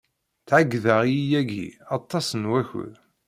Tḍeyyɛeḍ-iyi yagi aṭas n wakud.